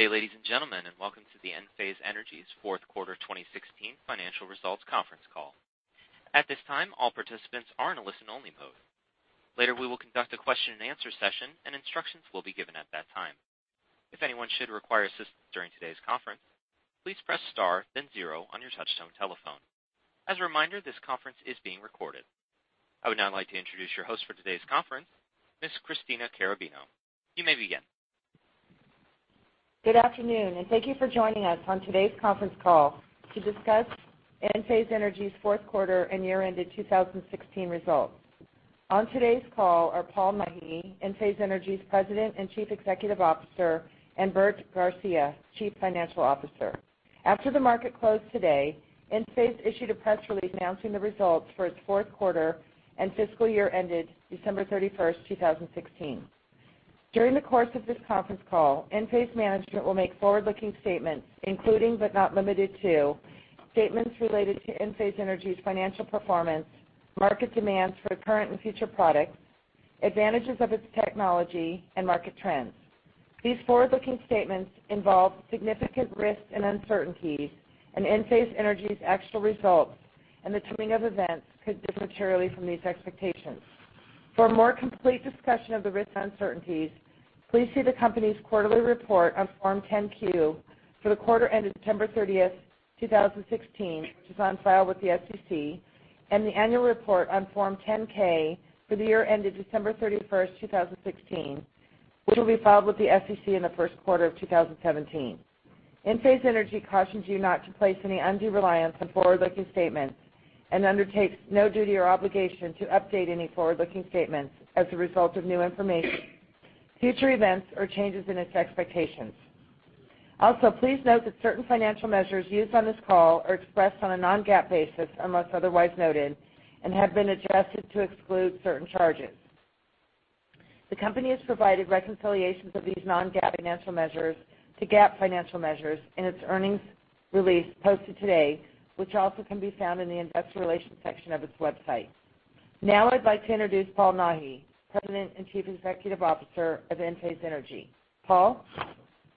Good day, ladies and gentlemen, and welcome to Enphase Energy's fourth quarter 2016 financial results conference call. At this time, all participants are in a listen-only mode. Later, we will conduct a question and answer session, and instructions will be given at that time. If anyone should require assistance during today's conference, please press star then zero on your touch-tone telephone. As a reminder, this conference is being recorded. I would now like to introduce your host for today's conference, Ms. Christina Carrabino. You may begin. Good afternoon, and thank you for joining us on today's conference call to discuss Enphase Energy's fourth quarter and year-ended 2016 results. On today's call are Paul Nahi, Enphase Energy's President and Chief Executive Officer, and Bert Garcia, Chief Financial Officer. After the market closed today, Enphase issued a press release announcing the results for its fourth quarter and fiscal year ended December 31st 2016. During the course of this conference call, Enphase management will make forward-looking statements, including, but not limited to, statements related to Enphase Energy's financial performance, market demands for current and future products, advantages of its technology, and market trends. These forward-looking statements involve significant risks and uncertainties. Enphase Energy's actual results and the timing of events could differ materially from these expectations. For a more complete discussion of the risks and uncertainties, please see the company's quarterly report on Form 10-Q for the quarter ended December 30th 2016, which is on file with the SEC, and the annual report on Form 10-K for the year ended December 31st 2016, which will be filed with the SEC in the first quarter of 2017. Enphase Energy cautions you not to place any undue reliance on forward-looking statements and undertakes no duty or obligation to update any forward-looking statements as a result of new information, future events, or changes in its expectations. Also, please note that certain financial measures used on this call are expressed on a non-GAAP basis, unless otherwise noted, and have been adjusted to exclude certain charges. The company has provided reconciliations of these non-GAAP financial measures to GAAP financial measures in its earnings release posted today, which also can be found in the investor relations section of its website. Now I'd like to introduce Paul Nahi, President and Chief Executive Officer of Enphase Energy. Paul?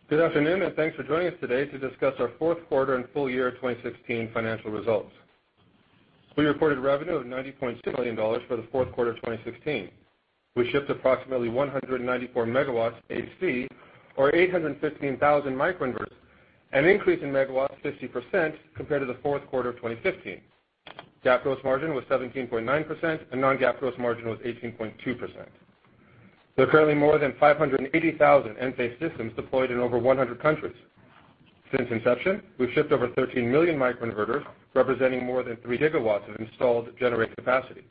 Good afternoon. Thanks for joining us today to discuss our fourth quarter and full year 2016 financial results. We reported revenue of $90.2 million for the fourth quarter 2016. We shipped approximately 194 megawatts AC, or 815,000 microinverters, an increase in megawatts of 50% compared to the fourth quarter of 2015. GAAP gross margin was 17.9%. Non-GAAP gross margin was 18.2%. There are currently more than 580,000 Enphase systems deployed in over 100 countries. Since inception, we've shipped over 13 million microinverters, representing more than three gigawatts of installed generating capacity.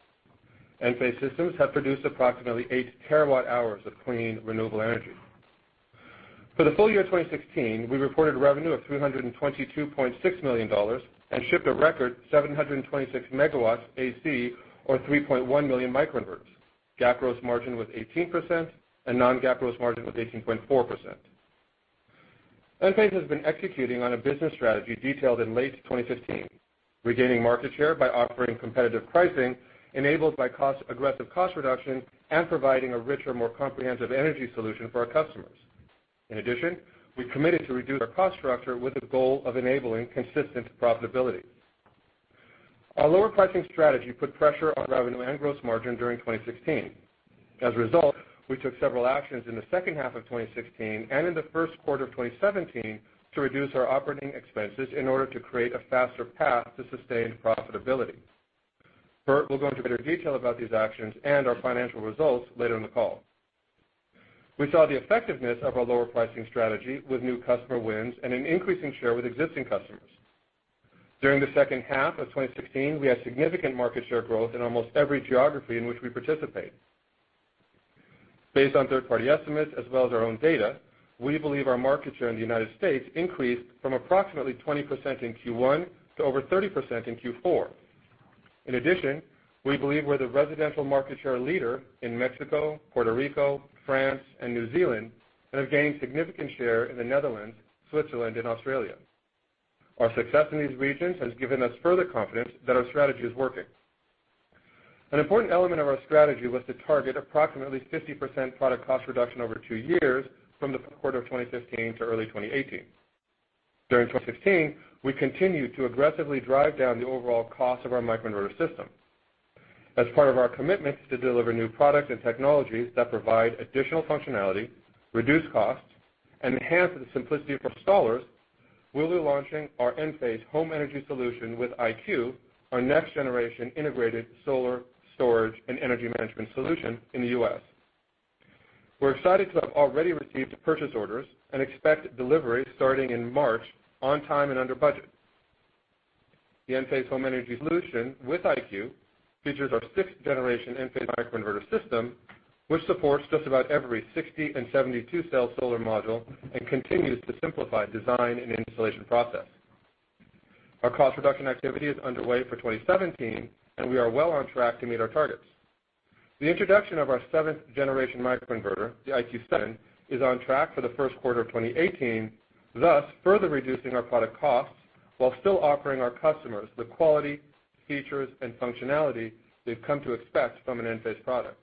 Enphase systems have produced approximately eight terawatt-hours of clean renewable energy. For the full year 2016, we reported revenue of $322.6 million and shipped a record 726 megawatts AC, or 3.1 million microinverters. GAAP gross margin was 18%. Non-GAAP gross margin was 18.4%. Enphase has been executing on a business strategy detailed in late 2015, regaining market share by offering competitive pricing enabled by aggressive cost reduction and providing a richer, more comprehensive energy solution for our customers. We committed to reduce our cost structure with the goal of enabling consistent profitability. Our lower pricing strategy put pressure on revenue and gross margin during 2016. We took several actions in the second half of 2016 and in the first quarter of 2017 to reduce our operating expenses in order to create a faster path to sustained profitability. Bert will go into greater detail about these actions and our financial results later in the call. We saw the effectiveness of our lower pricing strategy with new customer wins and an increasing share with existing customers. During the second half of 2016, we had significant market share growth in almost every geography in which we participate. Based on third-party estimates as well as our own data, we believe our market share in the U.S. increased from approximately 20% in Q1 to over 30% in Q4. We believe we're the residential market share leader in Mexico, Puerto Rico, France, and New Zealand. We have gained significant share in the Netherlands, Switzerland, and Australia. Our success in these regions has given us further confidence that our strategy is working. An important element of our strategy was to target approximately 50% product cost reduction over two years from the fourth quarter of 2015 to early 2018. During 2016, we continued to aggressively drive down the overall cost of our microinverter system. As part of our commitment to deliver new products and technologies that provide additional functionality, reduce costs, and enhance the simplicity for installers, we'll be launching our Enphase Home Energy Solution with IQ, our next-generation integrated solar storage and energy management solution in the U.S. We're excited to have already received purchase orders and expect delivery starting in March on time and under budget. The Enphase Home Energy Solution with IQ features our 6th-generation Enphase microinverter system, which supports just about every 60- and 72-cell solar module and continues to simplify design and installation process. Our cost reduction activity is underway for 2017. We are well on track to meet our targets. The introduction of our seventh-generation microinverter, the IQ 7, is on track for the first quarter of 2018, thus further reducing our product costs while still offering our customers the quality, features, and functionality they've come to expect from an Enphase product.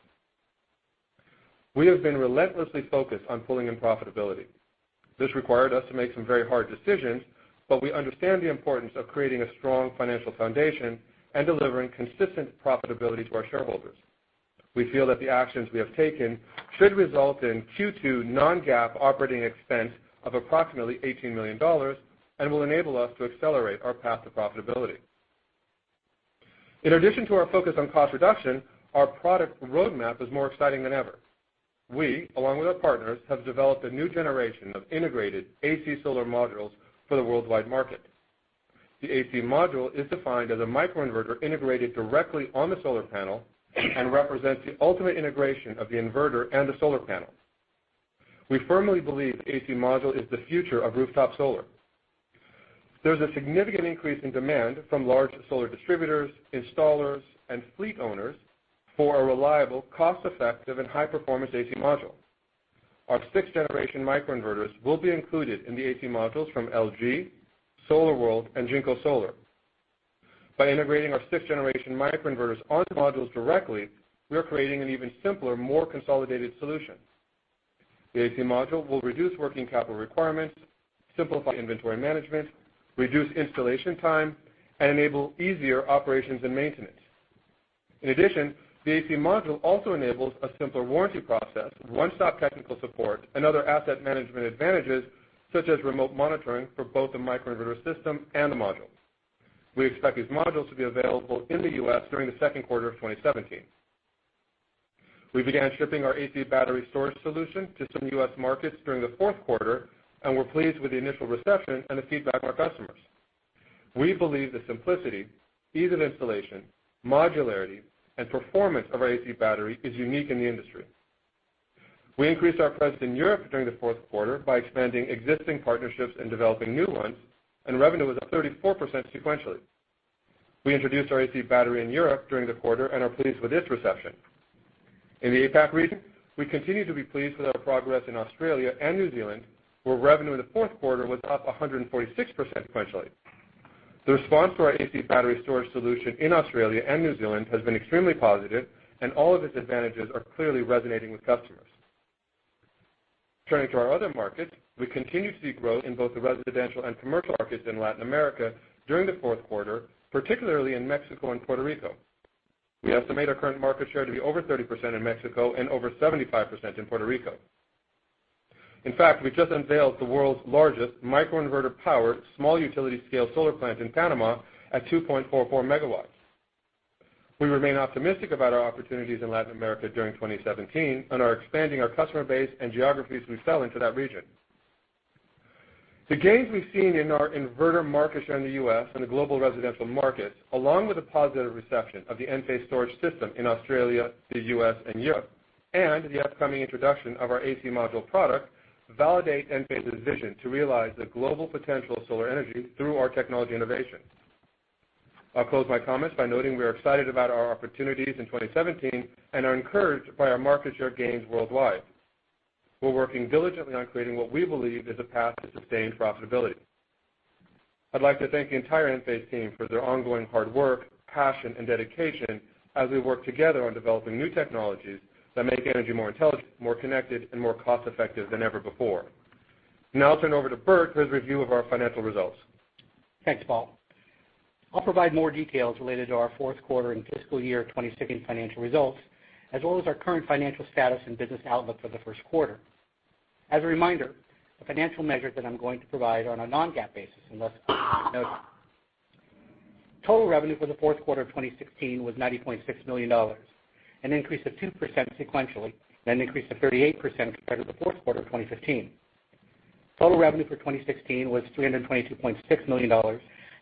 We have been relentlessly focused on pulling in profitability. This required us to make some very hard decisions, but we understand the importance of creating a strong financial foundation and delivering consistent profitability to our shareholders. We feel that the actions we have taken should result in Q2 non-GAAP operating expense of approximately $18 million and will enable us to accelerate our path to profitability. In addition to our focus on cost reduction, our product roadmap is more exciting than ever. We, along with our partners, have developed a new generation of integrated AC solar modules for the worldwide market. The AC Module is defined as a microinverter integrated directly on the solar panel and represents the ultimate integration of the inverter and the solar panel. We firmly believe AC Module is the future of rooftop solar. There's a significant increase in demand from large solar distributors, installers, and fleet owners for a reliable, cost-effective, and high-performance AC Module. Our sixth-generation microinverters will be included in the AC Modules from LG, SolarWorld, and JinkoSolar. By integrating our sixth-generation microinverters onto modules directly, we are creating an even simpler, more consolidated solution. The AC Module will reduce working capital requirements, simplify inventory management, reduce installation time, and enable easier operations and maintenance. In addition, the AC Module also enables a simpler warranty process, one-stop technical support, and other asset management advantages, such as remote monitoring for both the microinverter system and the module. We expect these modules to be available in the U.S. during the second quarter of 2017. We began shipping our AC Battery storage solution to some U.S. markets during the fourth quarter, and we're pleased with the initial reception and the feedback from our customers. We believe the simplicity, ease of installation, modularity, and performance of our AC Battery is unique in the industry. We increased our presence in Europe during the fourth quarter by expanding existing partnerships and developing new ones, and revenue was up 34% sequentially. We introduced our AC Battery in Europe during the quarter and are pleased with its reception. In the APAC region, we continue to be pleased with our progress in Australia and New Zealand, where revenue in the fourth quarter was up 146% sequentially. The response to our AC Battery storage solution in Australia and New Zealand has been extremely positive, and all of its advantages are clearly resonating with customers. Turning to our other markets, we continue to see growth in both the residential and commercial markets in Latin America during the fourth quarter, particularly in Mexico and Puerto Rico. We estimate our current market share to be over 30% in Mexico and over 75% in Puerto Rico. In fact, we just unveiled the world's largest microinverter-powered small utility scale solar plant in Panama at 2.44 megawatts. We remain optimistic about our opportunities in Latin America during 2017 and are expanding our customer base and geographies we sell into that region. The gains we've seen in our inverter markets in the U.S. and the global residential markets, along with the positive reception of the Enphase storage system in Australia, the U.S., and Europe, and the upcoming introduction of our AC Module product, validate Enphase's vision to realize the global potential of solar energy through our technology innovation. I'll close my comments by noting we are excited about our opportunities in 2017 and are encouraged by our market share gains worldwide. We're working diligently on creating what we believe is a path to sustained profitability. I'd like to thank the entire Enphase team for their ongoing hard work, passion, and dedication as we work together on developing new technologies that make energy more intelligent, more connected, and more cost-effective than ever before. Now I'll turn over to Bert with a review of our financial results. Thanks, Paul. I'll provide more details related to our fourth quarter and fiscal year 2016 financial results, as well as our current financial status and business outlook for the first quarter. As a reminder, the financial measures that I'm going to provide are on a non-GAAP basis, unless otherwise noted. Total revenue for the fourth quarter of 2016 was $90.6 million, an increase of 2% sequentially, and an increase of 38% compared to the fourth quarter of 2015. Total revenue for 2016 was $322.6 million,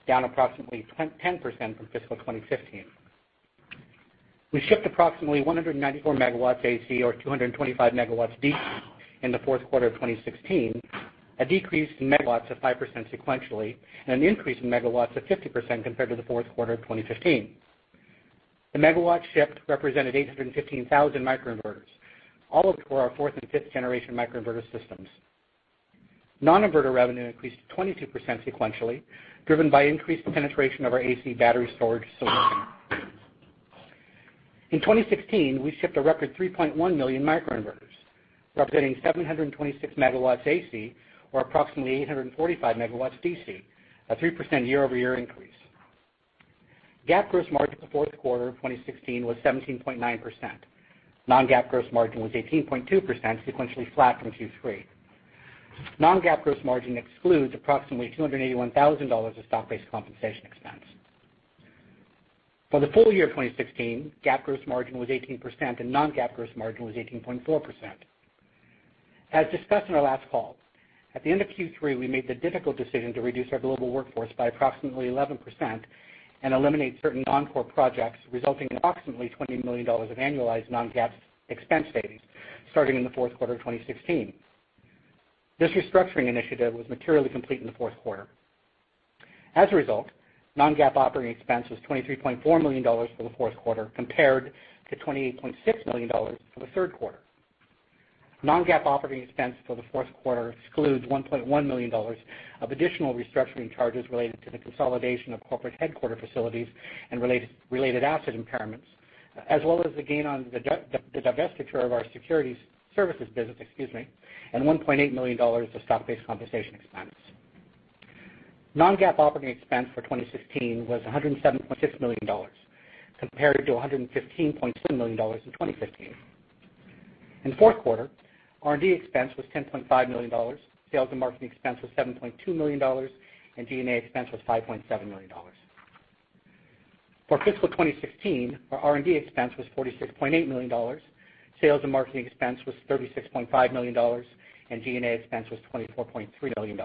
down approximately 10% from fiscal 2015. We shipped approximately 194 megawatts AC or 225 megawatts DC in the fourth quarter of 2016, a decrease in megawatts of 5% sequentially and an increase in megawatts of 50% compared to the fourth quarter of 2015. The megawatt shipped represented 815,000 microinverters, all of which were our fourth and fifth generation microinverter systems. Non-inverter revenue increased 22% sequentially, driven by increased penetration of our AC Battery storage solution. In 2016, we shipped a record 3.1 million microinverters, representing 726 megawatts AC or approximately 845 megawatts DC, a 3% year-over-year increase. GAAP gross margin for the fourth quarter of 2016 was 17.9%. Non-GAAP gross margin was 18.2%, sequentially flat from Q3. Non-GAAP gross margin excludes approximately $281,000 of stock-based compensation expense. For the full year of 2016, GAAP gross margin was 18%, and non-GAAP gross margin was 18.4%. As discussed on our last call, at the end of Q3, we made the difficult decision to reduce our global workforce by approximately 11% and eliminate certain non-core projects, resulting in approximately $20 million of annualized non-GAAP expense savings starting in the fourth quarter of 2016. This restructuring initiative was materially complete in the fourth quarter. As a result, non-GAAP operating expense was $23.4 million for the fourth quarter, compared to $28.6 million for the third quarter. Non-GAAP operating expense for the fourth quarter excludes $1.1 million of additional restructuring charges related to the consolidation of corporate headquarter facilities and related asset impairments, as well as the gain on the divestiture of our securities services business, excuse me, and $1.8 million of stock-based compensation expense. Non-GAAP operating expense for 2016 was $107.6 million compared to $115.7 million in 2015. In the fourth quarter, R&D expense was $10.5 million, sales and marketing expense was $7.2 million, and G&A expense was $5.7 million. For fiscal 2016, our R&D expense was $46.8 million, sales and marketing expense was $36.5 million, and G&A expense was $24.3 million.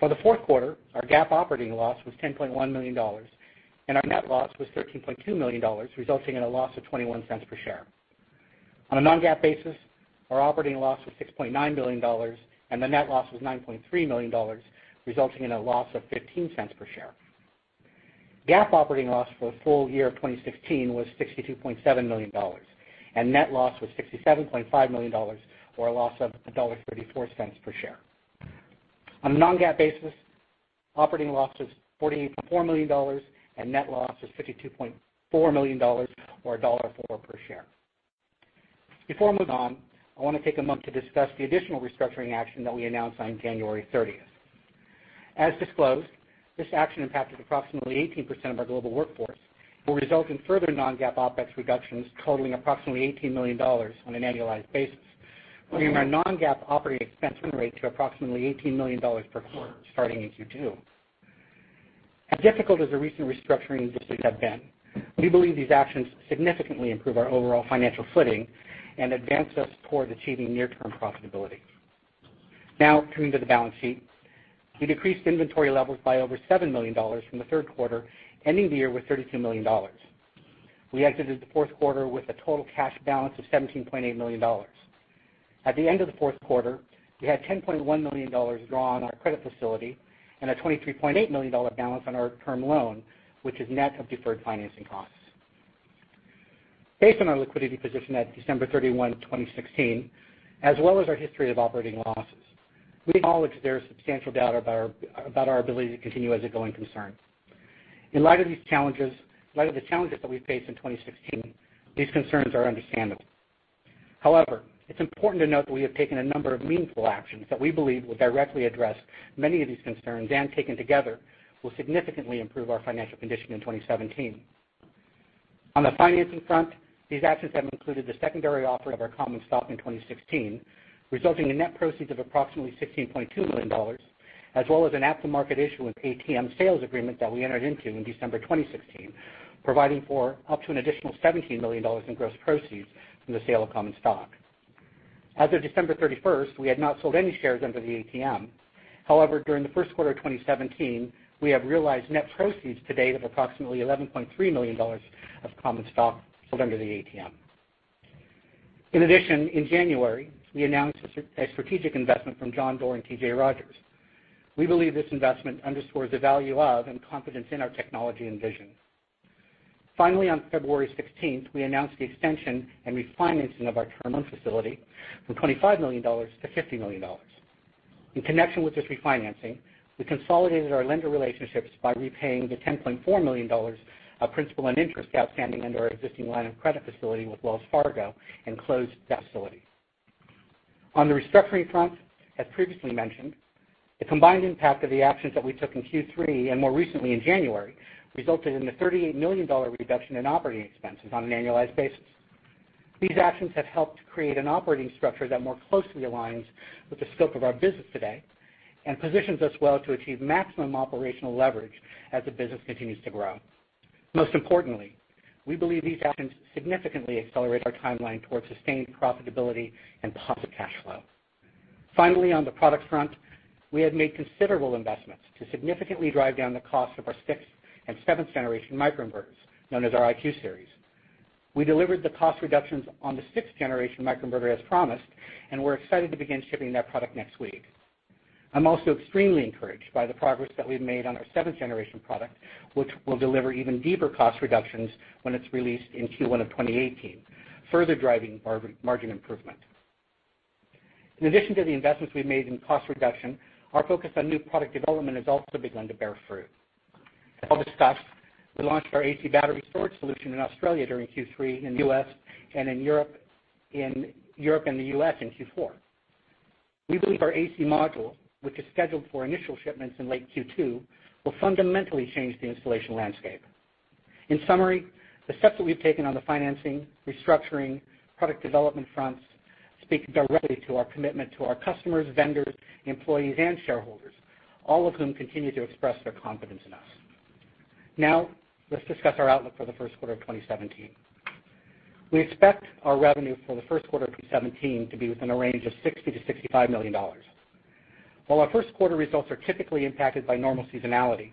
For the fourth quarter, our GAAP operating loss was $10.1 million, and our net loss was $13.2 million, resulting in a loss of $0.21 per share. On a non-GAAP basis, our operating loss was $6.9 million, and the net loss was $9.3 million, resulting in a loss of $0.15 per share. GAAP operating loss for the full year of 2016 was $62.7 million, and net loss was $67.5 million, or a loss of $1.34 per share. On a non-GAAP basis, operating loss was $48.4 million, and net loss was $52.4 million or $1.04 per share. Before I move on, I want to take a moment to discuss the additional restructuring action that we announced on January 30th. As disclosed, this action impacted approximately 18% of our global workforce, will result in further non-GAAP OPEX reductions totaling approximately $18 million on an annualized basis, bringing our non-GAAP operating expense run rate to approximately $18 million per quarter starting in Q2. As difficult as the recent restructuring decisions have been, we believe these actions significantly improve our overall financial footing and advance us toward achieving near-term profitability. Now, turning to the balance sheet. We decreased inventory levels by over $7 million from the third quarter, ending the year with $32 million. We exited the fourth quarter with a total cash balance of $17.8 million. At the end of the fourth quarter, we had $10.1 million drawn on our credit facility and a $23.8 million balance on our term loan, which is net of deferred financing costs. Based on our liquidity position at December 31, 2016, as well as our history of operating losses, we acknowledge there is substantial doubt about our ability to continue as a going concern. In light of the challenges that we faced in 2016, these concerns are understandable. However, it's important to note that we have taken a number of meaningful actions that we believe will directly address many of these concerns and taken together, will significantly improve our financial condition in 2017. On the financing front, these actions have included the secondary offer of our common stock in 2016, resulting in net proceeds of approximately $16.2 million, as well as an at-the-market issue with ATM sales agreement that we entered into in December 2016, providing for up to an additional $17 million in gross proceeds from the sale of common stock. As of December 31st, we had not sold any shares under the ATM. However, during the first quarter of 2017, we have realized net proceeds to date of approximately $11.3 million of common stock sold under the ATM. In addition, in January, we announced a strategic investment from John Doerr and T.J. Rodgers. We believe this investment underscores the value of and confidence in our technology and vision. Finally, on February 16th, we announced the extension and refinancing of our term loan facility from $25 million to $50 million. In connection with this refinancing, we consolidated our lender relationships by repaying the $10.4 million of principal and interest outstanding under our existing line of credit facility with Wells Fargo and closed that facility. On the restructuring front, as previously mentioned, the combined impact of the actions that we took in Q3 and more recently in January, resulted in a $38 million reduction in operating expenses on an annualized basis. These actions have helped create an operating structure that more closely aligns with the scope of our business today and positions us well to achieve maximum operational leverage as the business continues to grow. Most importantly, we believe these actions significantly accelerate our timeline towards sustained profitability and positive cash flow. Finally, on the product front, we have made considerable investments to significantly drive down the cost of our sixth and seventh generation microinverters, known as our IQ Series. We delivered the cost reductions on the sixth generation microinverter as promised, and we're excited to begin shipping that product next week. I'm also extremely encouraged by the progress that we've made on our seventh generation product, which will deliver even deeper cost reductions when it's released in Q1 of 2018, further driving our margin improvement. In addition to the investments we've made in cost reduction, our focus on new product development has also begun to bear fruit. As Paul discussed, we launched our AC Battery storage solution in Australia during Q3, in Europe and the U.S. in Q4. We believe our AC Module, which is scheduled for initial shipments in late Q2, will fundamentally change the installation landscape. In summary, the steps that we've taken on the financing, restructuring, product development fronts speak directly to our commitment to our customers, vendors, employees, and shareholders, all of whom continue to express their confidence in us. Let's discuss our outlook for the first quarter of 2017. We expect our revenue for the first quarter of 2017 to be within a range of $60 million-$65 million. While our first quarter results are typically impacted by normal seasonality,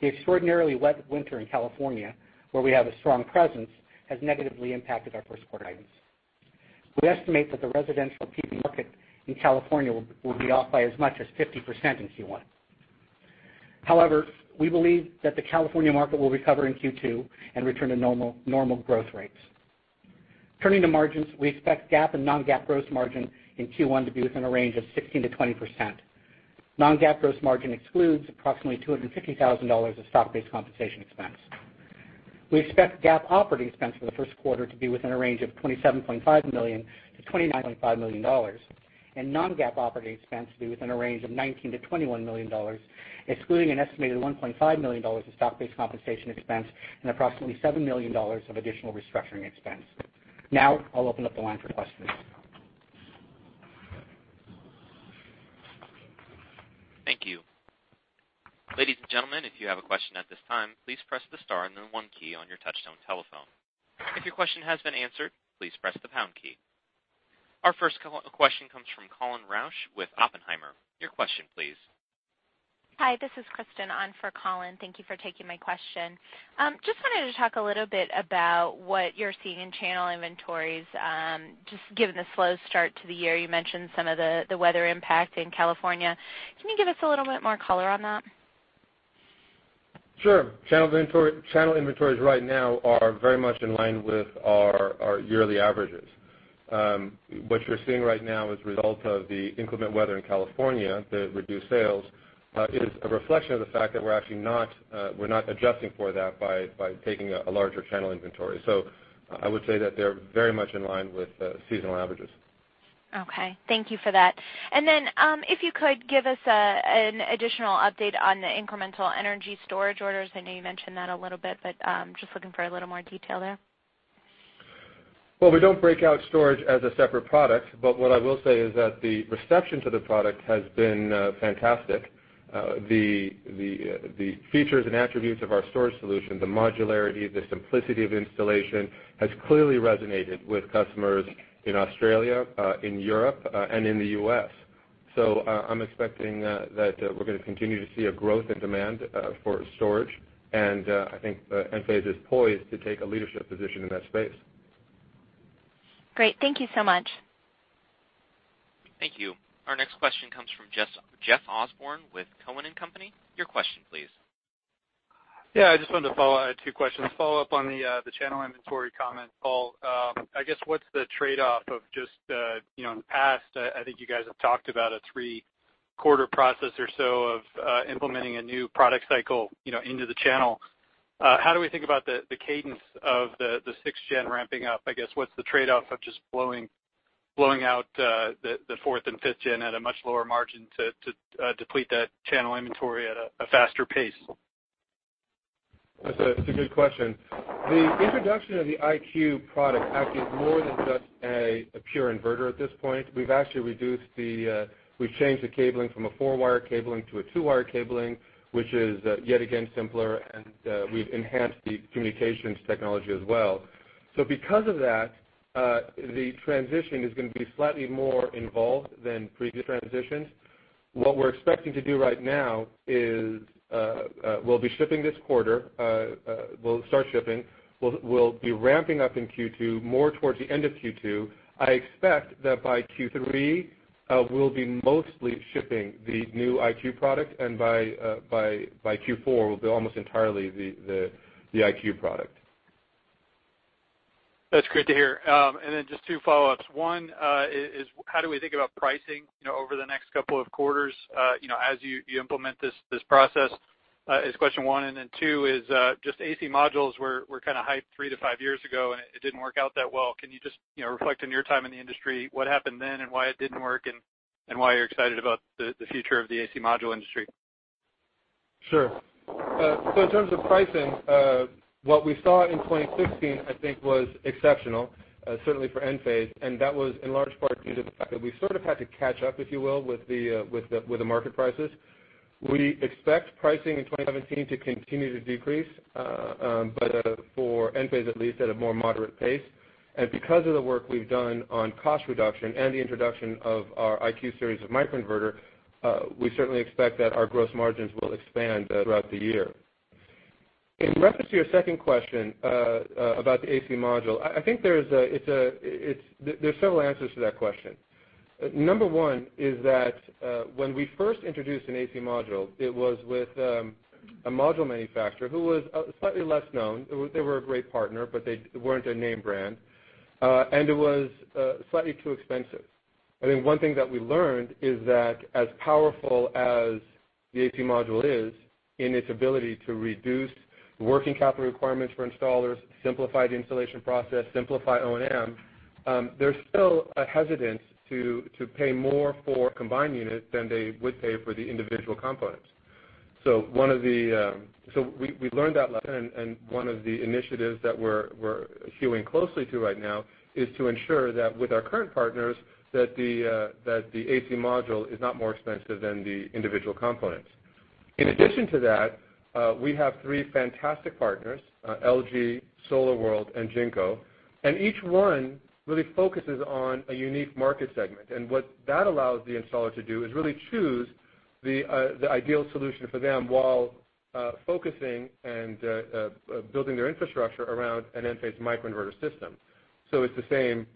the extraordinarily wet winter in California, where we have a strong presence, has negatively impacted our first quarter guidance. We estimate that the residential PV market in California will be off by as much as 50% in Q1. We believe that the California market will recover in Q2 and return to normal growth rates. Turning to margins, we expect GAAP and non-GAAP gross margin in Q1 to be within a range of 16%-20%. Non-GAAP gross margin excludes approximately $250,000 of stock-based compensation expense. We expect GAAP operating expense for the first quarter to be within a range of $27.5 million-$29.5 million, and non-GAAP operating expense to be within a range of $19 million-$21 million, excluding an estimated $1.5 million in stock-based compensation expense and approximately $7 million of additional restructuring expense. I'll open up the line for questions. Thank you. Ladies and gentlemen, if you have a question at this time, please press the star and the one key on your touch-tone telephone. If your question has been answered, please press the pound key. Our first question comes from Colin Rusch with Oppenheimer. Your question, please. Hi, this is Kristen on for Colin. Thank you for taking my question. Just wanted to talk a little bit about what you're seeing in channel inventories, just given the slow start to the year. You mentioned some of the weather impact in California. Can you give us a little bit more color on that? Sure. Channel inventories right now are very much in line with our yearly averages. What you're seeing right now as a result of the inclement weather in California, the reduced sales, is a reflection of the fact that we're actually not adjusting for that by taking a larger channel inventory. I would say that they're very much in line with seasonal averages. Okay. Thank you for that. If you could give us an additional update on the incremental energy storage orders. I know you mentioned that a little bit, but just looking for a little more detail there. We don't break out storage as a separate product, but what I will say is that the reception to the product has been fantastic. The features and attributes of our storage solution, the modularity, the simplicity of installation, has clearly resonated with customers in Australia, in Europe, and in the U.S. I'm expecting that we're going to continue to see a growth in demand for storage, and I think Enphase is poised to take a leadership position in that space. Great. Thank you so much. Thank you. Our next question comes from Jeff Osborne with Cowen and Company. Your question, please. I just wanted to follow. I had two questions. Follow-up on the channel inventory comment, Paul. I guess, what's the trade-off of just, in the past, I think you guys have talked about a three-quarter process or so of implementing a new product cycle into the channel. How do we think about the cadence of the sixth gen ramping up? I guess, what's the trade-off of just blowing out the fourth and fifth gen at a much lower margin to deplete that channel inventory at a faster pace? That's a good question. The introduction of the IQ product actually is more than just a pure inverter at this point. We've changed the cabling from a four-wire cabling to a two-wire cabling, which is yet again simpler, and we've enhanced the communications technology as well. Because of that, the transition is going to be slightly more involved than previous transitions. What we're expecting to do right now is we'll be shipping this quarter, we'll start shipping. We'll be ramping up in Q2, more towards the end of Q2. I expect that by Q3, we'll be mostly shipping the new IQ product, and by Q4, will be almost entirely the IQ product. That's great to hear. Just two follow-ups. One is how do we think about pricing over the next couple of quarters as you implement this process? Is question one. Two is, just AC Modules were kind of hyped three to five years ago, and it didn't work out that well. Can you just reflect on your time in the industry, what happened then and why it didn't work, and why you're excited about the future of the AC Module industry? Sure. In terms of pricing, what we saw in 2016, I think, was exceptional, certainly for Enphase, and that was in large part due to the fact that we sort of had to catch up, if you will, with the market prices. We expect pricing in 2017 to continue to decrease, but for Enphase at least, at a more moderate pace. Because of the work we've done on cost reduction and the introduction of our IQ Series of microinverter, we certainly expect that our gross margins will expand throughout the year. In reference to your second question about the AC Module, I think there's several answers to that question. Number 1 is that when we first introduced an AC Module, it was with a module manufacturer who was slightly less known. They were a great partner, but they weren't a name brand. It was slightly too expensive. I think one thing that we learned is that as powerful as the AC Module is in its ability to reduce working capital requirements for installers, simplify the installation process, simplify O&M, there's still a hesitance to pay more for a combined unit than they would pay for the individual components. We learned that lesson, and one of the initiatives that we're hewing closely to right now is to ensure that with our current partners, that the AC Module is not more expensive than the individual components. In addition to that, we have three fantastic partners, LG, SolarWorld, and Jinko, and each one really focuses on a unique market segment. What that allows the installer to do is really choose the ideal solution for them Focusing and building their infrastructure around an Enphase microinverter system. It's the same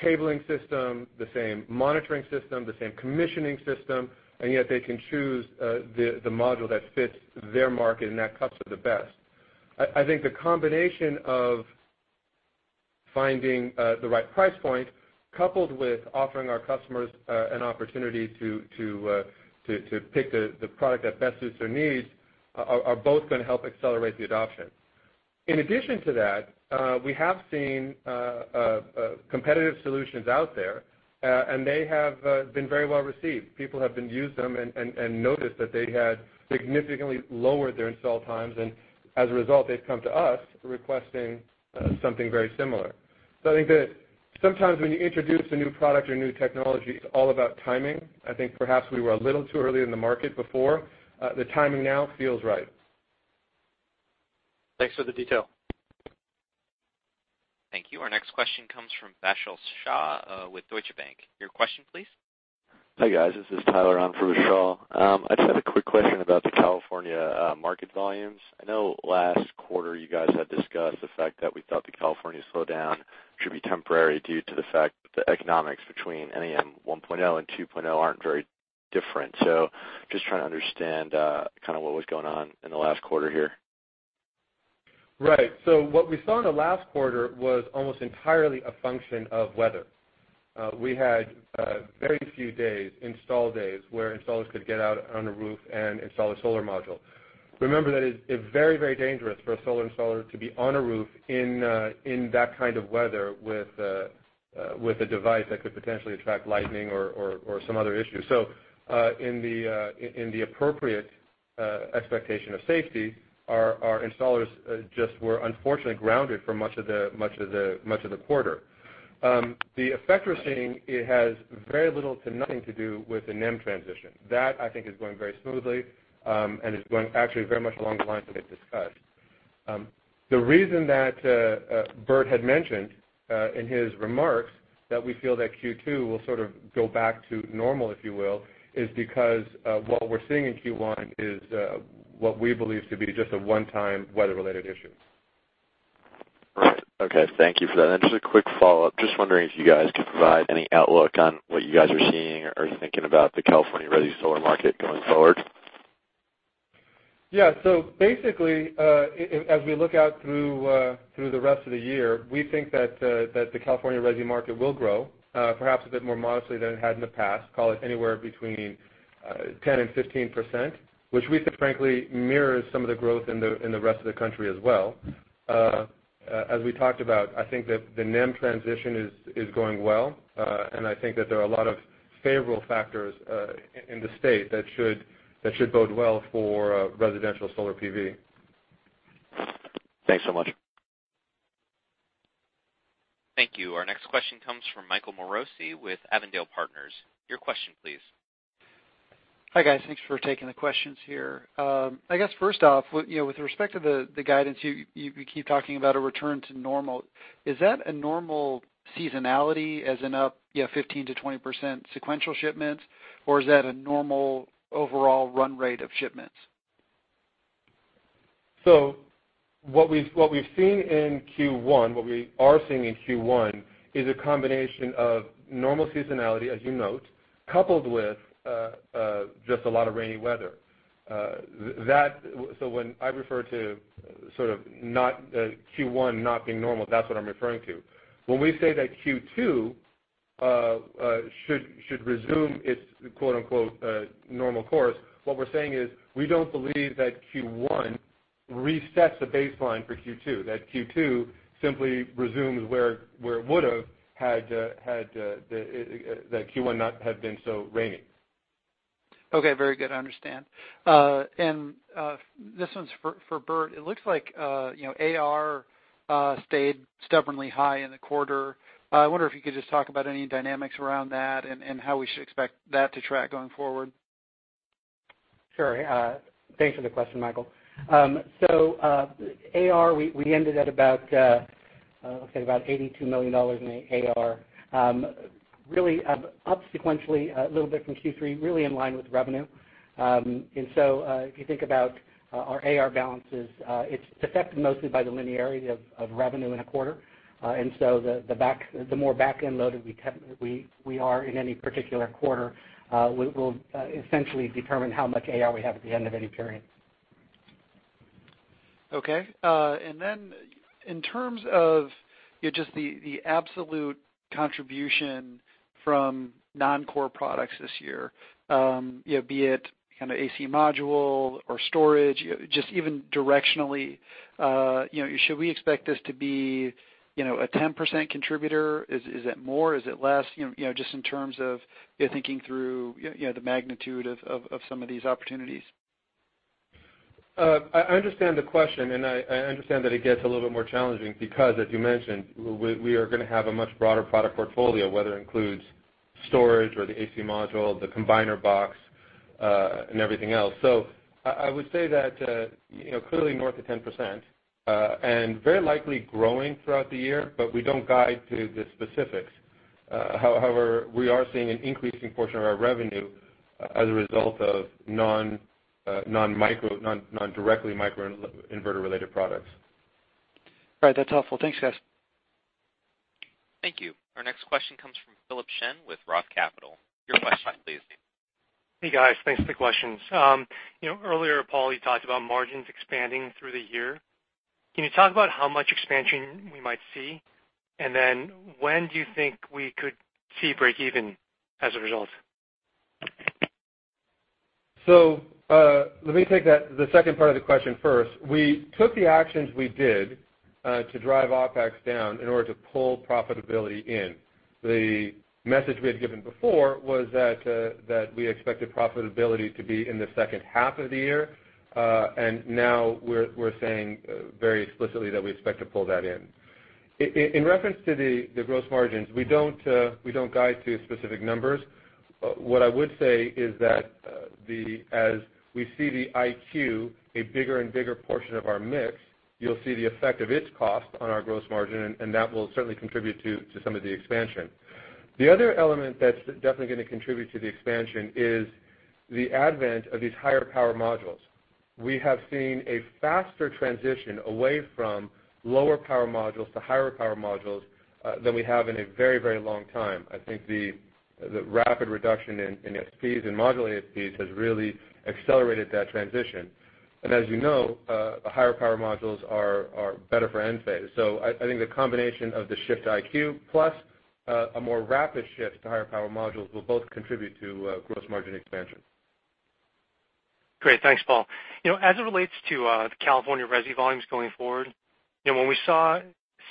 cabling system, the same monitoring system, the same commissioning system, yet they can choose the module that fits their market and that cuts to the best. I think the combination of finding the right price point, coupled with offering our customers an opportunity to pick the product that best suits their needs, are both going to help accelerate the adoption. In addition to that, we have seen competitive solutions out there, they have been very well received. People have been using them and noticed that they had significantly lowered their install times, as a result, they've come to us requesting something very similar. I think that sometimes when you introduce a new product or new technology, it's all about timing. I think perhaps we were a little too early in the market before. The timing now feels right. Thanks for the detail. Thank you. Our next question comes from Vishal Shah with Deutsche Bank. Your question, please. Hi, guys. This is Tyler on for Vishal. I just had a quick question about the California market volumes. I know last quarter you guys had discussed the fact that we thought the California slowdown should be temporary due to the fact that the economics between NEM 1.0 and NEM 2.0 aren't very different. Just trying to understand what was going on in the last quarter here. Right. What we saw in the last quarter was almost entirely a function of weather. We had very few install days where installers could get out on a roof and install a solar module. Remember that it's very dangerous for a solar installer to be on a roof in that kind of weather with a device that could potentially attract lightning or some other issue. In the appropriate expectation of safety, our installers just were unfortunately grounded for much of the quarter. The effect we're seeing, it has very little to nothing to do with the NEM transition. That, I think, is going very smoothly, and it's going actually very much along the lines that they've discussed. The reason that Bert had mentioned in his remarks that we feel that Q2 will sort of go back to normal, if you will, is because what we're seeing in Q1 is what we believe to be just a one-time weather-related issue. Right. Okay. Thank you for that. Just a quick follow-up. Just wondering if you guys could provide any outlook on what you guys are seeing or thinking about the California resi solar market going forward? Yeah. Basically, as we look out through the rest of the year, we think that the California resi market will grow perhaps a bit more modestly than it had in the past, call it anywhere between 10%-15%, which we think, frankly, mirrors some of the growth in the rest of the country as well. As we talked about, I think that the NEM transition is going well, and I think that there are a lot of favorable factors in the state that should bode well for residential solar PV. Thanks so much. Thank you. Our next question comes from Michael Morosi with Avondale Partners. Your question, please. Hi, guys. Thanks for taking the questions here. I guess first off, with respect to the guidance, you keep talking about a return to normal. Is that a normal seasonality as in up 15%-20% sequential shipments, or is that a normal overall run rate of shipments? What we are seeing in Q1 is a combination of normal seasonality, as you note, coupled with just a lot of rainy weather. When I refer to Q1 not being normal, that's what I'm referring to. When we say that Q2 should resume its "normal course," what we're saying is we don't believe that Q1 resets the baseline for Q2, that Q2 simply resumes where it would have had Q1 not have been so rainy. Okay, very good. I understand. This one's for Bert. It looks like AR stayed stubbornly high in the quarter. I wonder if you could just talk about any dynamics around that and how we should expect that to track going forward. Sure. Thanks for the question, Michael. AR, we ended at about, let's say, about $82 million in AR. Really up sequentially a little bit from Q3, really in line with revenue. If you think about our AR balances, it's affected mostly by the linearity of revenue in a quarter. The more back-end loaded we are in any particular quarter, will essentially determine how much AR we have at the end of any period. Okay. In terms of just the absolute contribution from non-core products this year, be it AC Module or storage, just even directionally, should we expect this to be a 10% contributor? Is it more? Is it less? Just in terms of thinking through the magnitude of some of these opportunities. I understand the question, and I understand that it gets a little bit more challenging because, as you mentioned, we are going to have a much broader product portfolio, whether it includes storage or the AC Module, the combiner box, and everything else. I would say that clearly north of 10%, and very likely growing throughout the year, but we don't guide to the specifics. However, we are seeing an increasing portion of our revenue as a result of non-directly microinverter-related products. All right. That's helpful. Thanks, guys. Thank you. Our next question comes from Philip Shen with ROTH Capital. Your question, please. Hey, guys. Thanks for the questions. Earlier, Paul, you talked about margins expanding through the year. Can you talk about how much expansion we might see? When do you think we could see breakeven as a result? Let me take the second part of the question first. We took the actions we did to drive OPEX down in order to pull profitability in. The message we had given before was that we expected profitability to be in the second half of the year. Now we're saying very explicitly that we expect to pull that in. In reference to the gross margins, we don't guide to specific numbers. What I would say is that as we see the IQ, a bigger and bigger portion of our mix, you'll see the effect of its cost on our gross margin, and that will certainly contribute to some of the expansion. The other element that's definitely going to contribute to the expansion is the advent of these higher power modules. We have seen a faster transition away from lower power modules to higher power modules than we have in a very long time. I think the rapid reduction in module ASPs has really accelerated that transition. As you know, the higher power modules are better for Enphase. I think the combination of the shift to IQ plus a more rapid shift to higher power modules will both contribute to gross margin expansion. Great. Thanks, Paul. As it relates to the California resi volumes going forward, when we saw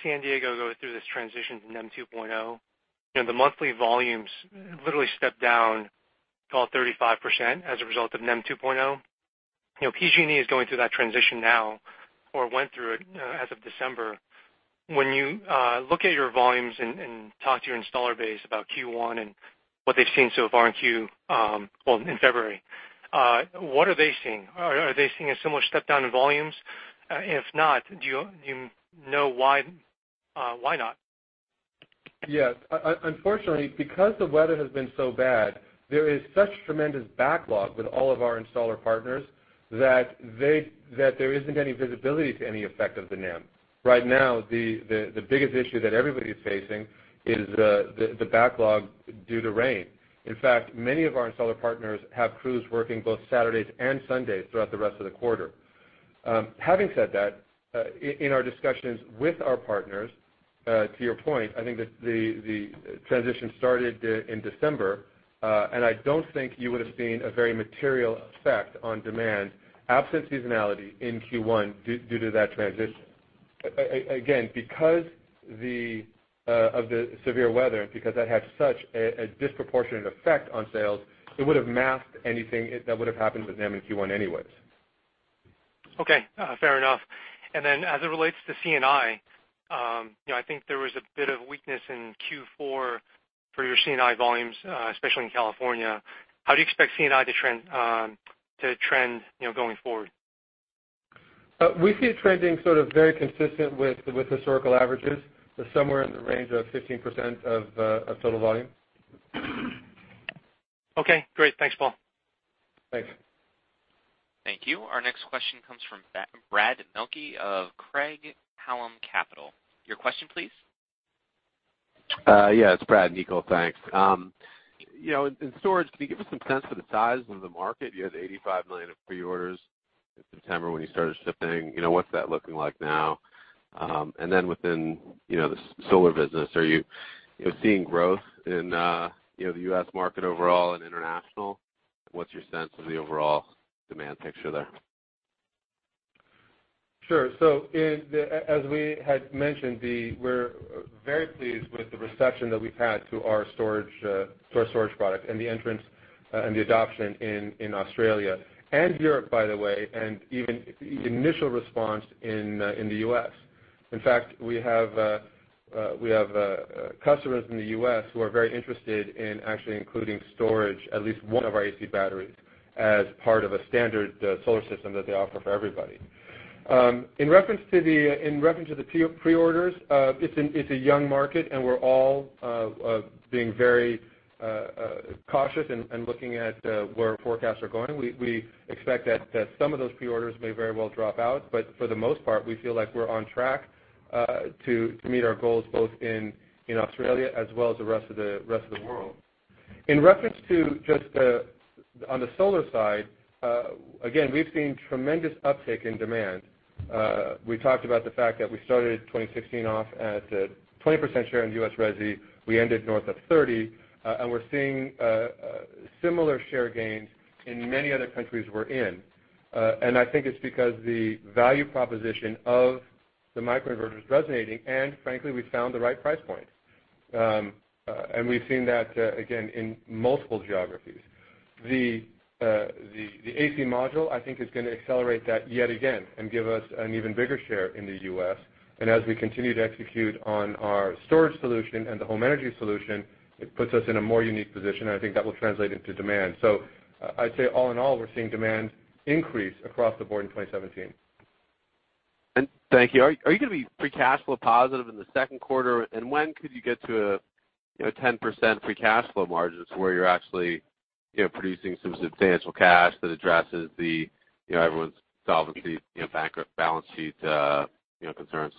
San Diego go through this transition from NEM 2.0, the monthly volumes literally stepped down call it 35% as a result of NEM 2.0. PG&E is going through that transition now or went through it as of December. When you look at your volumes and talk to your installer base about Q1 and what they've seen so far in February, what are they seeing? Are they seeing a similar step down in volumes? If not, do you know why not? Yes. Unfortunately, because the weather has been so bad, there is such tremendous backlog with all of our installer partners that there isn't any visibility to any effect of the NEM. Right now, the biggest issue that everybody's facing is the backlog due to rain. In fact, many of our installer partners have crews working both Saturdays and Sundays throughout the rest of the quarter. Having said that, in our discussions with our partners, to your point, I think that the transition started in December. I don't think you would've seen a very material effect on demand absent seasonality in Q1 due to that transition. Because of the severe weather, because that had such a disproportionate effect on sales, it would've masked anything that would've happened with NEM in Q1 anyways. Okay. Fair enough. As it relates to C&I think there was a bit of weakness in Q4 for your C&I volumes, especially in California. How do you expect C&I to trend going forward? We see it trending very consistent with historical averages, so somewhere in the range of 15% of total volume. Okay, great. Thanks, Paul. Thanks. Thank you. Our next question comes from Brad Mielke of Craig-Hallum Capital. Your question, please. Yeah, it's Brad Mielke. Thanks. In storage, can you give us some sense of the size of the market? You had $85 million of preorders in September when you started shipping. What's that looking like now? Then within the solar business, are you seeing growth in the U.S. market overall and international? What's your sense of the overall demand picture there? Sure. As we had mentioned, we are very pleased with the reception that we have had to our storage product and the entrance and the adoption in Australia and Europe, by the way, and even the initial response in the U.S. In fact, we have customers in the U.S. who are very interested in actually including storage, at least one of our AC batteries, as part of a standard solar system that they offer for everybody. In reference to the preorders, it is a young market, and we are all being very cautious and looking at where forecasts are going. We expect that some of those preorders may very well drop out, but for the most part, we feel like we are on track to meet our goals both in Australia as well as the rest of the world. In reference to just on the solar side, again, we have seen tremendous uptick in demand. We talked about the fact that we started 2016 off at a 20% share in U.S. resi. We ended north of 30, and we are seeing similar share gains in many other countries we are in. I think it is because the value proposition of the microinverter is resonating, and frankly, we found the right price point. We have seen that, again, in multiple geographies. The AC Module, I think, is going to accelerate that yet again and give us an even bigger share in the U.S. As we continue to execute on our storage solution and the Home Energy Solution, it puts us in a more unique position, and I think that will translate into demand. I would say all in all, we are seeing demand increase across the board in 2017. Thank you. Are you going to be free cash flow positive in the second quarter? When could you get to a 10% free cash flow margins where you are actually producing some substantial cash that addresses everyone's solvency, balance sheet concerns?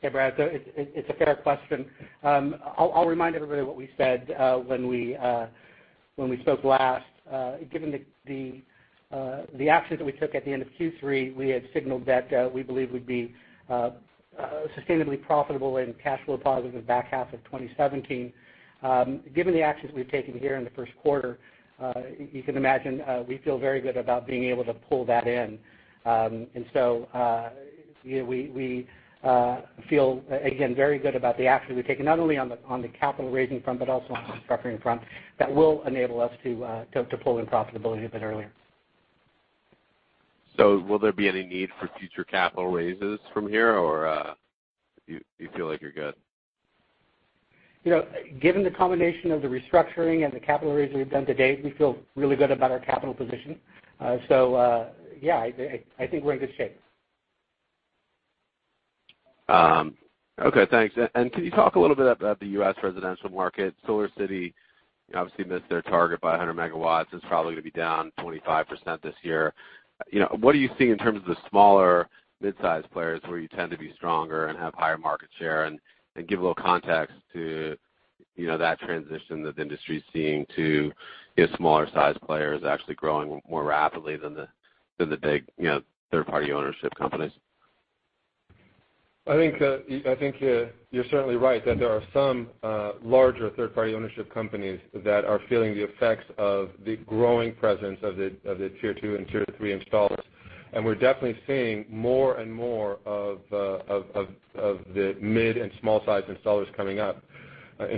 Hey, Brad. It is a fair question. I will remind everybody what we said when we spoke last. Given the actions that we took at the end of Q3, we had signaled that we believe we would be sustainably profitable and cash flow positive the back half of 2017. Given the actions we have taken here in the first quarter, you can imagine, we feel very good about being able to pull that in. We feel, again, very good about the actions we have taken, not only on the capital-raising front, but also on the restructuring front, that will enable us to pull in profitability a bit earlier. Will there be any need for future capital raises from here, or do you feel like you're good? Given the combination of the restructuring and the capital raises we've done to date, we feel really good about our capital position. Yeah, I think we're in good shape. Okay, thanks. Can you talk a little bit about the U.S. residential market? SolarCity obviously missed their target by 100 megawatts. It's probably going to be down 25% this year. What are you seeing in terms of the smaller mid-size players where you tend to be stronger and have higher market share? Give a little context to that transition that the industry's seeing to smaller-sized players actually growing more rapidly than the big third-party ownership companies. I think you're certainly right, that there are some larger third-party ownership companies that are feeling the effects of the growing presence of the tier 2 and tier 3 installers. In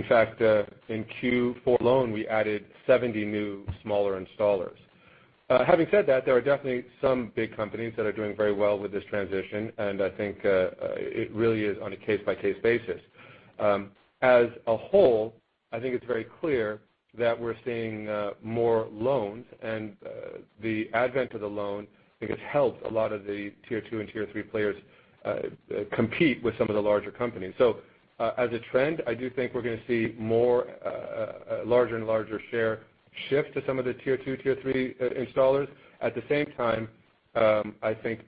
fact, in Q4 alone, we added 70 new smaller installers. Having said that, there are definitely some big companies that are doing very well with this transition, and I think it really is on a case-by-case basis. As a whole, I think it's very clear that we're seeing more loans, and the advent of the loan, I think, has helped a lot of the tier 2 and tier 3 players compete with some of the larger companies. As a trend, I do think we're going to see a larger and larger share shift to some of the tier 2, tier 3 installers. At the same time, I think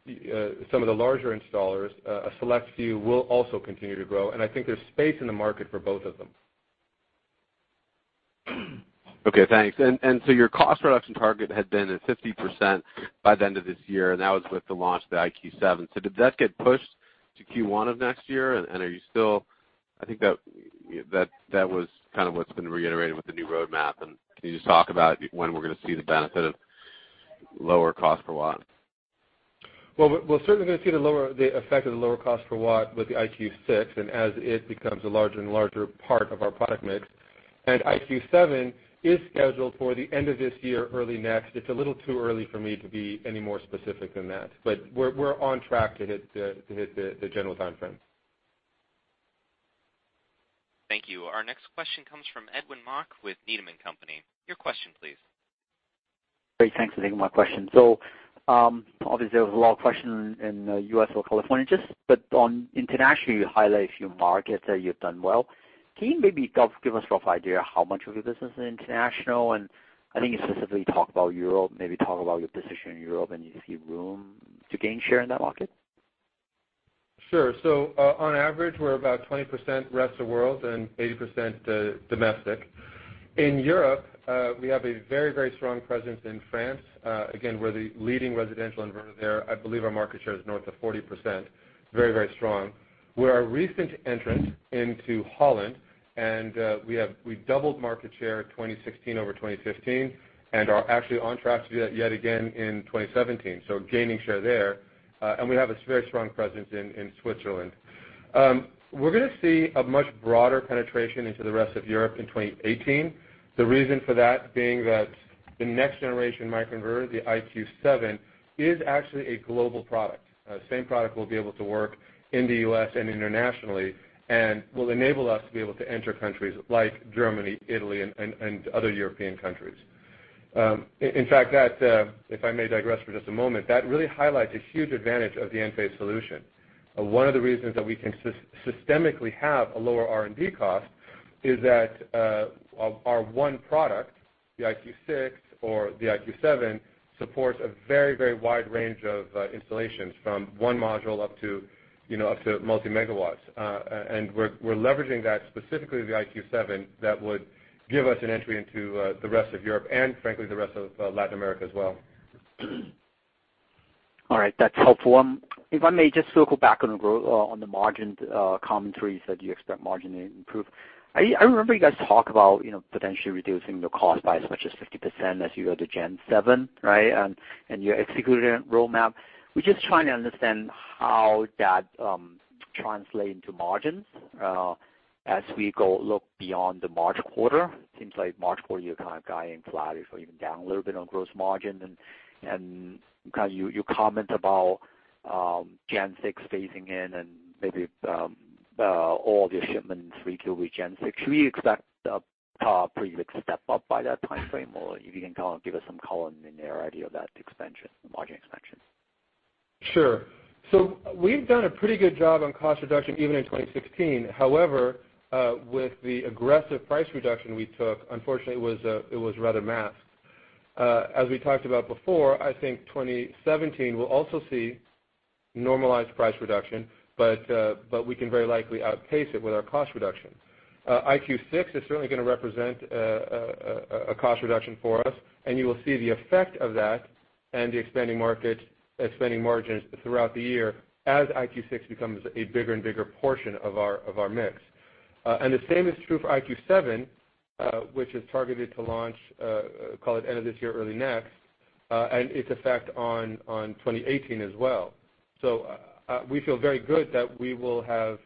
some of the larger installers, a select few, will also continue to grow, and I think there's space in the market for both of them. Okay, thanks. Your cost reduction target had been at 50% by the end of this year, and that was with the launch of the IQ 7. Did that get pushed to Q1 of next year? I think that was kind of what's been reiterated with the new roadmap. Can you just talk about when we're going to see the benefit of lower cost per watt? Well, we're certainly going to see the effect of the lower cost per watt with the IQ 6, and as it becomes a larger and larger part of our product mix. IQ 7 is scheduled for the end of this year or early next. It's a little too early for me to be any more specific than that, but we're on track to hit the general timeframe. Thank you. Our next question comes from Edwin Mok with Needham & Company. Your question, please. Great. Thanks for taking my question. Obviously there was a lot of question in U.S. or California. On international, you highlight a few markets that you've done well. Can you maybe give us a rough idea how much of your business is international? I think you specifically talked about Europe, maybe talk about your position in Europe, and do you see room to gain share in that market? Sure. On average, we're about 20% rest of world and 80% domestic. In Europe, we have a very strong presence in France. Again, we're the leading residential inverter there. I believe our market share is north of 40%. Very strong. We're a recent entrant into Holland, we doubled market share in 2016 over 2015, and are actually on track to do that yet again in 2017. Gaining share there. We have a very strong presence in Switzerland. We're going to see a much broader penetration into the rest of Europe in 2018. The reason for that being that the next generation microinverter, the IQ 7, is actually a global product. Same product will be able to work in the U.S. and internationally, and will enable us to be able to enter countries like Germany, Italy, and other European countries. In fact, if I may digress for just a moment, that really highlights a huge advantage of the Enphase solution. One of the reasons that we can systemically have a lower R&D cost is that our one product, the IQ 6 or the IQ 7, supports a very wide range of installations, from one module up to multi megawatts. We're leveraging that, specifically the IQ 7, that would give us an entry into the rest of Europe and frankly, the rest of Latin America as well. All right. That's helpful. If I may just circle back on the margin commentaries that you expect margin to improve. I remember you guys talk about potentially reducing the cost by as much as 50% as you go to Gen 7, right? Your execution roadmap. We're just trying to understand how that translate into margins as we go look beyond the March quarter. It seems like March quarter, you're kind of guiding flat or even down a little bit on gross margin. Kind of your comment about Gen 6 phasing in and maybe all of your shipments related to Gen 6. Should we expect a top pre-mix step up by that time frame, or if you can give us some color in the idea of that margin expansion. We've done a pretty good job on cost reduction even in 2016. However, with the aggressive price reduction we took, unfortunately, it was rather masked. As we talked about before, I think 2017 will also see normalized price reduction, but we can very likely outpace it with our cost reduction. IQ 6 is certainly going to represent a cost reduction for us, and you will see the effect of that and the expanding margins throughout the year as IQ 6 becomes a bigger and bigger portion of our mix. The same is true for IQ 7, which is targeted to launch, call it, end of this year or early next, and its effect on 2018 as well. We feel very good that we will have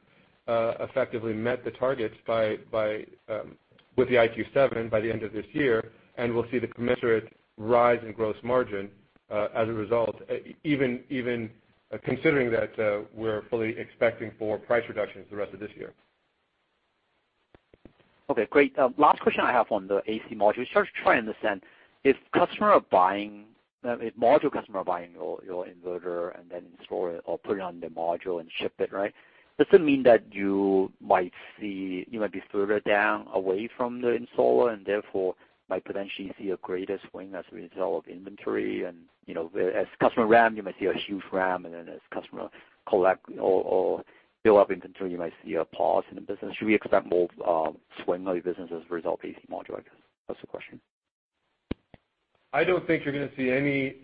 effectively met the targets with the IQ 7 by the end of this year, and we'll see the commensurate rise in gross margin, as a result, even considering that we're fully expecting four price reductions the rest of this year. Okay, great. Last question I have on the AC Module. Just trying to understand if module customer are buying your inverter and then install it or put it on the module and ship it, does it mean that you might be further down away from the installer and therefore might potentially see a greater swing as a result of inventory and as customer ramp, you might see a huge ramp and then as customer collect or fill up inventory, you might see a pause in the business. Should we expect more swing on your business as a result of AC Module, I guess? That's the question. I don't think you're going to see any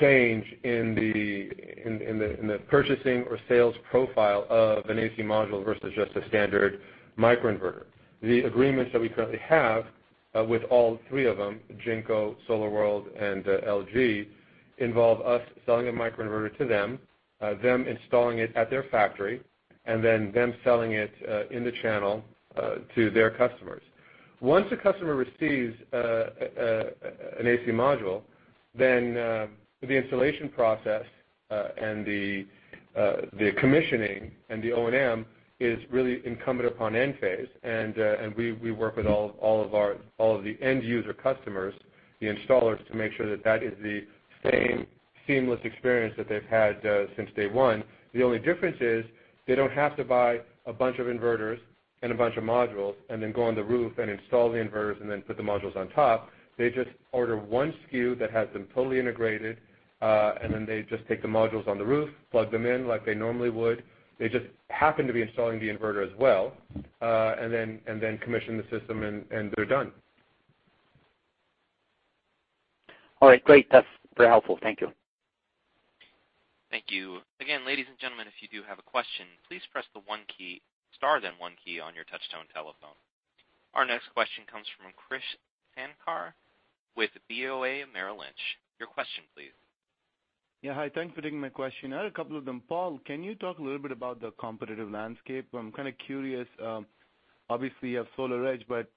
change in the purchasing or sales profile of an AC Module versus just a standard microinverter. The agreements that we currently have with all three of them, Jinko, SolarWorld, and LG, involve us selling a microinverter to them installing it at their factory, and then them selling it in the channel to their customers. Once a customer receives an AC Module, then the installation process and the commissioning and the O&M is really incumbent upon Enphase. We work with all of the end-user customers, the installers, to make sure that that is the same seamless experience that they've had since day one. The only difference is they don't have to buy a bunch of inverters and a bunch of modules and then go on the roof and install the inverters and then put the modules on top. They just order 1 SKU that has them fully integrated, and then they just take the modules on the roof, plug them in like they normally would. They just happen to be installing the inverter as well, and then commission the system, and they're done. All right, great. That's very helpful. Thank you. Thank you. Again, ladies and gentlemen, if you do have a question, please press star then one key on your touch-tone telephone. Our next question comes from Krish Sankar with BofA Merrill Lynch. Your question, please. Yeah, hi. Thanks for taking my question. I had a couple of them. Paul, can you talk a little bit about the competitive landscape? I'm kind of curious. Obviously, you have SolarEdge, but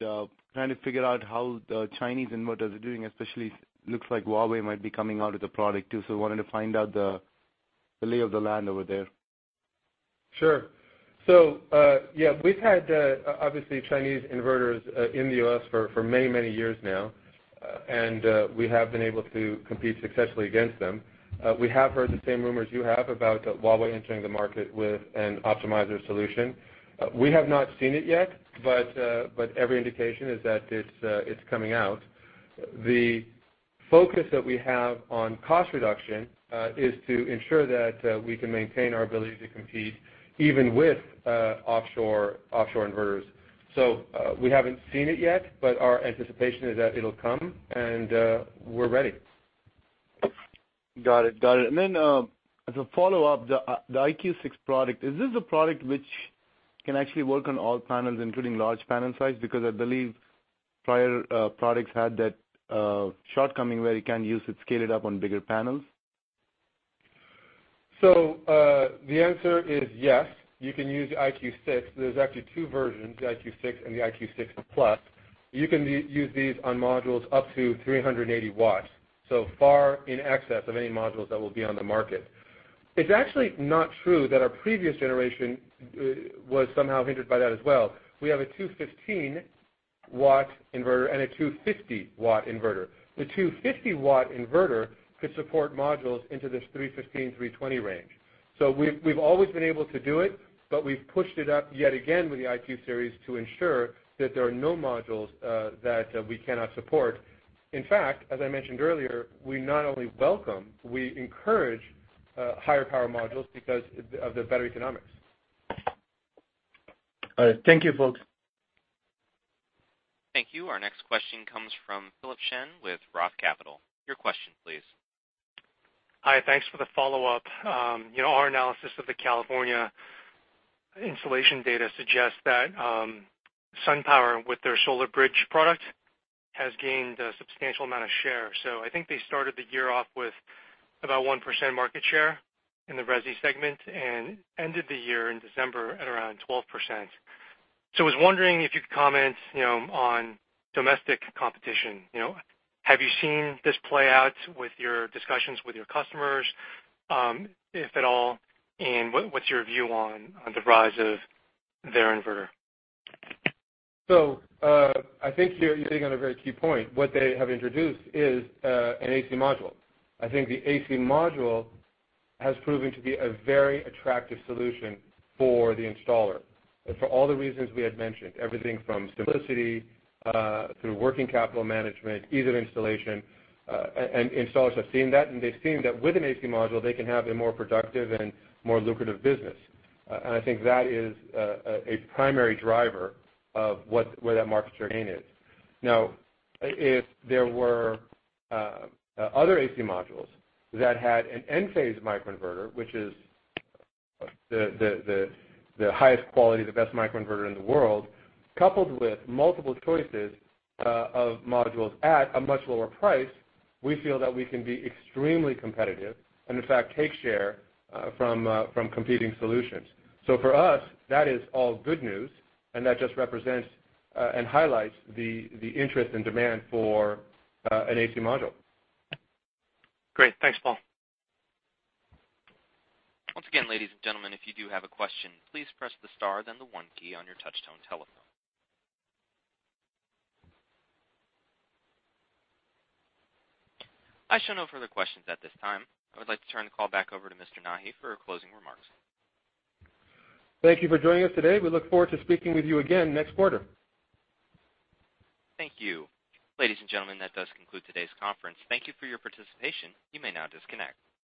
trying to figure out how the Chinese inverters are doing, especially looks like Huawei might be coming out with a product too. Wanted to find out the lay of the land over there. Sure. Yeah, we've had, obviously, Chinese inverters in the U.S. for many, many years now, and we have been able to compete successfully against them. We have heard the same rumors you have about Huawei entering the market with an optimizer solution. We have not seen it yet, but every indication is that it's coming out. The focus that we have on cost reduction is to ensure that we can maintain our ability to compete even with offshore inverters. We haven't seen it yet, but our anticipation is that it'll come, and we're ready. Got it. As a follow-up, the IQ 6 product, is this the product which can actually work on all panels, including large panel size? Because I believe prior products had that shortcoming where you can't use it scaled up on bigger panels. The answer is yes, you can use the IQ 6. There's actually two versions, the IQ 6 and the IQ 6+. You can use these on modules up to 380 watts, so far in excess of any modules that will be on the market. It's actually not true that our previous generation was somehow hindered by that as well. We have a 215-watt inverter and a 250-watt inverter. The 250-watt inverter could support modules into this 315, 320 range. We've always been able to do it, but we've pushed it up yet again with the IQ Series to ensure that there are no modules that we cannot support. In fact, as I mentioned earlier, we not only welcome, we encourage higher power modules because of the better economics. All right. Thank you, folks. Thank you. Our next question comes from Philip Shen with ROTH Capital. Your question, please. Hi. Thanks for the follow-up. Our analysis of the California installation data suggests that SunPower, with their SolarBridge product, has gained a substantial amount of share. I think they started the year off with about 1% market share in the resi segment and ended the year in December at around 12%. I was wondering if you could comment on domestic competition. Have you seen this play out with your discussions with your customers, if at all, and what's your view on the rise of their inverter? I think you're hitting on a very key point. What they have introduced is an AC Module. I think the AC Module has proven to be a very attractive solution for the installer for all the reasons we had mentioned, everything from simplicity through working capital management, ease of installation. Installers have seen that, and they've seen that with an AC Module, they can have a more productive and more lucrative business. I think that is a primary driver of where that market share gain is. Now, if there were other AC Modules that had an Enphase microinverter, which is the highest quality, the best microinverter in the world, coupled with multiple choices of modules at a much lower price, we feel that we can be extremely competitive and, in fact, take share from competing solutions. For us, that is all good news, and that just represents and highlights the interest and demand for an AC Module. Great. Thanks, Paul. Once again, ladies and gentlemen, if you do have a question, please press the star then the one key on your touch-tone telephone. I show no further questions at this time. I would like to turn the call back over to Mr. Nahi for closing remarks. Thank you for joining us today. We look forward to speaking with you again next quarter. Thank you. Ladies and gentlemen, that does conclude today's conference. Thank you for your participation. You may now disconnect.